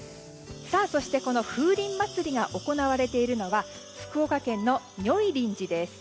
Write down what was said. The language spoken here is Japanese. そして、この風鈴祭りが行われているのが福岡県の如意輪寺です。